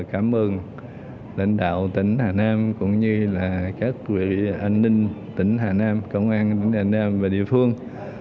cảm ơn lãnh đạo tỉnh hà nam cũng như là các vị an ninh tỉnh hà nam công an tỉnh hà nam và địa phương